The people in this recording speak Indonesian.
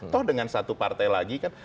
toh dengan satu partai lagi kan